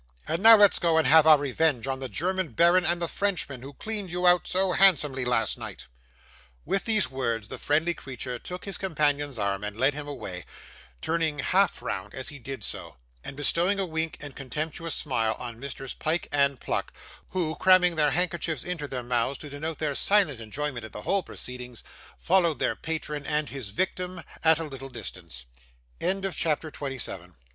And now let's go and have our revenge on the German baron and the Frenchman, who cleaned you out so handsomely last night.' With these words the friendly creature took his companion's arm and led him away, turning half round as he did so, and bestowing a wink and a contemptuous smile on Messrs Pyke and Pluck, who, cramming their handkerchiefs into their mouths to denote their silent enjoyment of the whole proceedings, followed their patron and his victim at